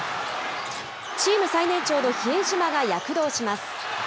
チーム最年長の比江島が躍動します。